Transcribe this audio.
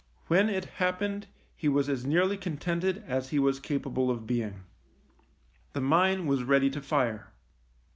When it happened he was as nearly contented as he was capable of being. The mine was ready to fire.